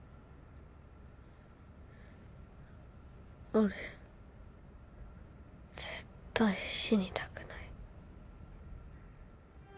俺絶対死にたくない。